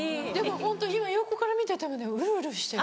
ホント今横から見ててもうるうるしてる。